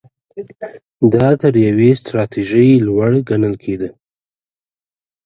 دا تر یوې ستراتیژۍ لوړ ګڼل کېده.